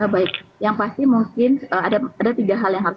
baik yang pasti mungkin ada tiga hal yang harus